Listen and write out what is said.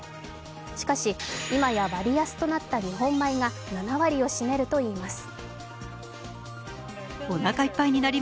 しかし、今や割安となった日本米が７割を占めるといいます。